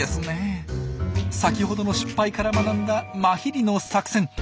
先ほどの失敗から学んだマヒリの作戦。